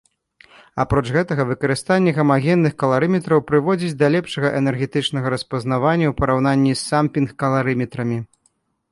Апроч гэтага, выкарыстанне гамагенных каларыметраў прыводзіць да лепшага энергетычнага распазнавання ў параўнанні з самплінг-каларыметрамі.